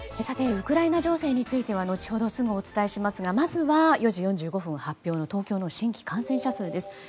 さて、ウクライナ情勢については後ほどすぐお伝えしますがまずは４時４５分発表の東京の新規感染者数です。